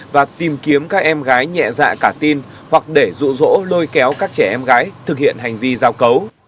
và tìm kiếm các em gái nhẹ dạ cả tin hoặc để rụ rỗ lôi kéo các trẻ em gái thực hiện hành vi giao cấu